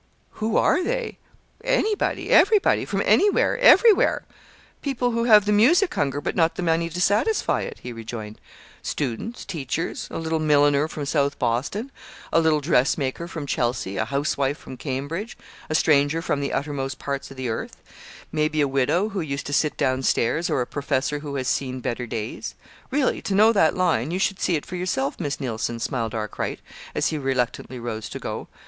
"Who are they? Anybody, everybody, from anywhere? everywhere; people who have the music hunger but not the money to satisfy it," he rejoined. "Students, teachers, a little milliner from South Boston, a little dressmaker from Chelsea, a housewife from Cambridge, a stranger from the uttermost parts of the earth; maybe a widow who used to sit down stairs, or a professor who has seen better days. Really to know that line, you should see it for yourself, Miss Neilson," smiled Arkwright, as he reluctantly rose to go.